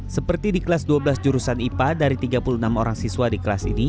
seperti di kelas dua belas jurusan ipa dari tiga puluh enam orang siswa di kelas ini